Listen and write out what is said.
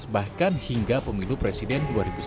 bahkan hingga pemilu presiden dua ribu sembilan belas